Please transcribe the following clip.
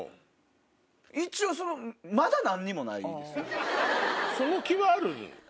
一応そのまだ何にもないです。